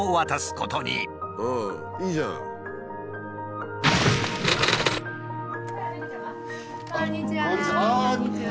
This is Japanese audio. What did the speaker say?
こんにちは。